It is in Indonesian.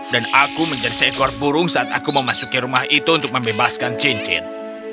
dan aku menjadi seekor burung saat aku memasuki rumah itu untuk membebaskan cincin